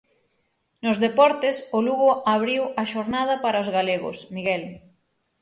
Nos deportes, o Lugo abriu a xornada para os galegos, Miguel.